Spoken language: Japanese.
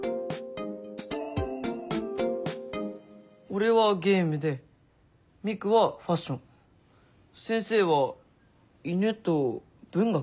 俺はゲームでミクはファッション先生は犬と文学。